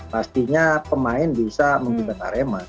pastinya pemain bisa menggugat arema